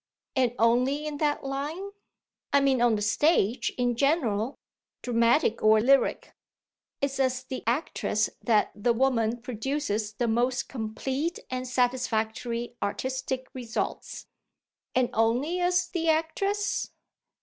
"And only in that line?" "I mean on the stage in general, dramatic or lyric. It's as the actress that the woman produces the most complete and satisfactory artistic results." "And only as the actress?"